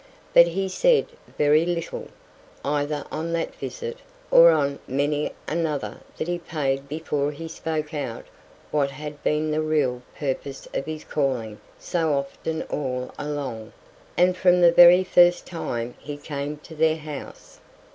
But he said very little, either on that visit, or on many another that he paid before he spoke out what had been the real purpose of his calling so often all along, and from the very first time he came to their house.